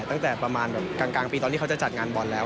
ตั้งแต่ประมาณแบบกลางปีตอนที่เขาจะจัดงานบอลแล้ว